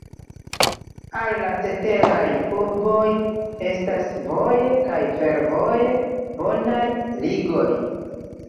Al la ceteraj urboj estas voje kaj fervoje bonaj ligoj.